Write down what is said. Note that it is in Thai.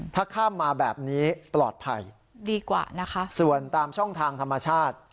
ถ้าข้ามมาแบบนี้ปลอดภัยดีกว่านะคะส่วนตามช่องทางธรรมชาติ